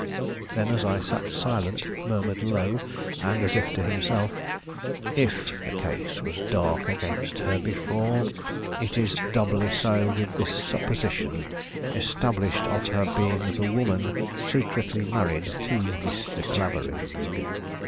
Then, as I sat silent, murmured low, and as if to himself: "If the case was dark against her before, it is doubly so with this supposition established of her being the woman secretly married to Mr. Clavering."